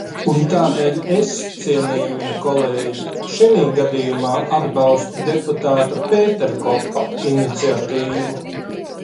Un tādēļ es, cienījamie kolēģi, šinī gadījumā atbalstu deputāta Pēterkopa iniciatīvu.